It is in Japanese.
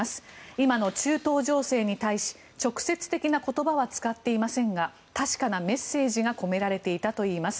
今の中東情勢に対し直接的な言葉は使っていませんが確かなメッセージが込められていたといいます。